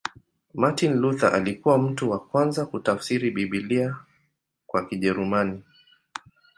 Martin Luther alikuwa mtu wa kwanza kutafsiri Biblia kwa Kijerumani.